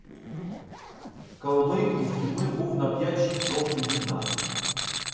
Калмик із кіньми був на п'ять-шість кроків від нас.